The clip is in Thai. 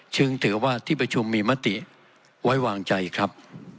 ถือว่าที่ประชุมมีมติไว้วางใจครับ